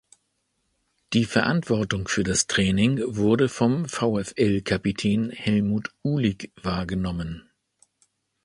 Die Verantwortung für das Training wurde vom VfL-Kapitän Helmut Uhlig wahrgenommen.